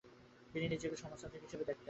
তিনি নিজেকে সমাজতান্ত্রিক হিসেবে দেখতেন।